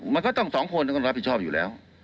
มันก็ต้องสองคนต้องรับผิดชอบอยู่แล้ว